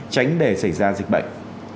tránh để xảy ra dịch bệnh